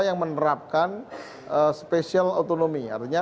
yang menerapkan spesial otonomi artinya